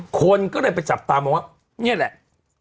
คนก็เลยไปจับตามองว่านี่แหละ